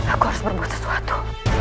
aku harus berbuat sesuatu